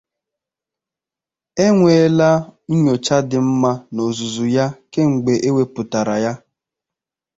Enweela nyocha dị mma n'ozuzu ya kemgbe ewepụtara ya.